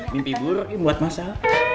mimpi buruh buat masal